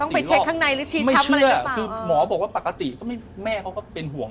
ต้องไปเช็คข้างในไม่เชื่อคือหมอบอกว่าปกติแม่เขาก็เป็นห่วง